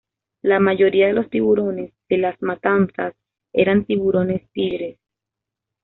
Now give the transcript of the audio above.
La mayoría de los tiburones de las matanzas eran tiburones tigre.